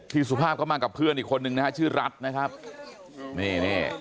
สุภาพก็มากับเพื่อนอีกคนนึงนะฮะชื่อรัฐนะครับนี่นี่